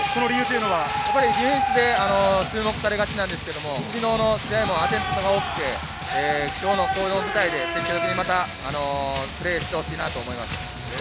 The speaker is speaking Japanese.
ディフェンスで注目されがちなんですが、昨日の試合もアテンプトが多くて、今日の舞台でまたプレーしてほしいなと思います。